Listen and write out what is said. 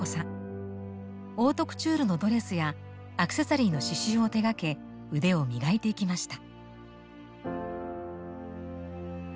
オートクチュールのドレスやアクセサリーの刺しゅうを手がけ腕を磨いていきました。